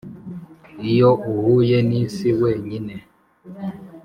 iyo uhuye n'isi wenyine